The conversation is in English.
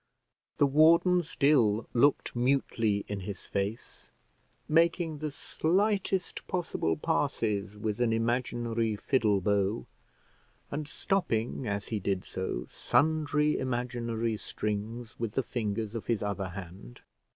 The warden still looked mutely in his face, making the slightest possible passes with an imaginary fiddle bow, and stopping, as he did so, sundry imaginary strings with the fingers of his other hand.